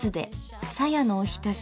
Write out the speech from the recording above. さやのおひたし。